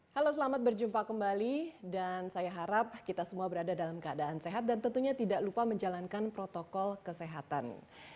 halo selamat berjumpa kembali dan saya harap kita semua berada dalam keadaan sehat dan tentunya tidak lupa menjalankan protokol kesehatan